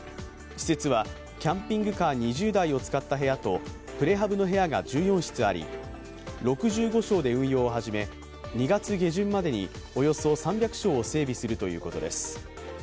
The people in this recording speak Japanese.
施設はキャンピングカー２０台を使った部屋とプレハブの部屋が１４室あり６５床で運用を始め２月下旬までにおよそ３００床を整備するということです。